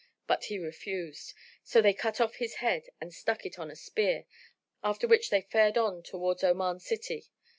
But he refused; so they cut off his head and stuck it on a spear, after which they fared on towards Oman[FN#19] city.